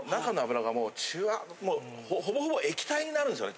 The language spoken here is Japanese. ほぼほぼ液体になるんですよね。